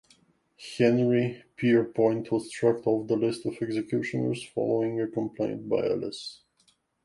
Henry Pierrepoint was struck off the list of executioners following a complaint by Ellis.